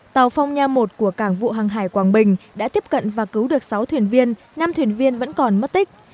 tàu phong nha một của cảng vụ hàng hải quảng bình đã tiếp cận và cứu được sáu thuyền viên năm thuyền viên vẫn còn mất tích